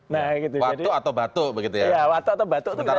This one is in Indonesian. watuk atau batuk begitu ya